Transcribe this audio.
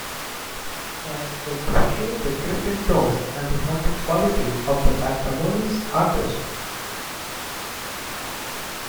Fans...will appreciate the drifting tones and haunted quality of the Magnanimous artists.